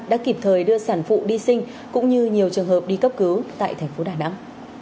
đã kịp thời đưa sản phụ đi sinh cũng như nhiều trường hợp đi cấp cứu tại thành phố đà nẵng